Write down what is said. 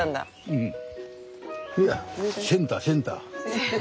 うん。